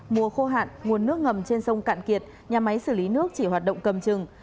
mùa khô hạn nguồn nước ngầm trên sông cạn kiệt nhà máy xử lý nước chỉ hoạt động cầm chừng